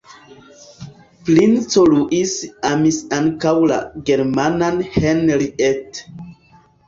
Princo Luis amis ankaŭ la germanan Henriette.